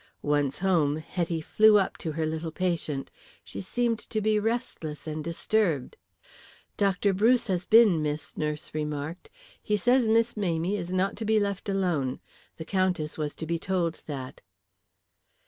Once home Hetty flew up to her little patient. She seemed to be restless and disturbed. "Dr. Bruce has been, miss," nurse remarked. "He says Miss Mamie is not to be left alone. The Countess was to be told that."